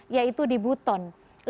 yaitu di buton